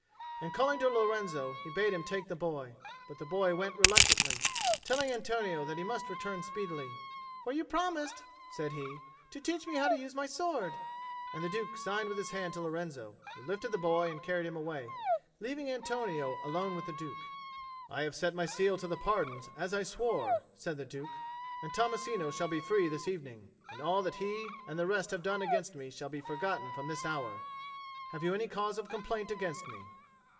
And calling to Lorenzo, he bade him take the boy. But the boy went reluctantly, telling Antonio that he must return speedily. "For you promised," said he, "to teach me how to use my sword." And the Duke signed with his hand to Lorenzo, who lifted the boy and carried him away, leaving Antonio alone with the Duke. "I have set my seal to the pardons as I swore," said the Duke; "and Tommasino shall be free this evening; and all that he and the rest have done against me shall be forgotten from this hour. Have you any cause of complaint against me?"